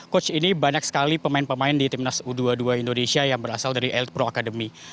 coach ini banyak sekali pemain pemain di timnas u dua puluh dua indonesia yang berasal dari eld pro academy